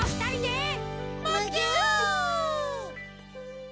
むぎゅ！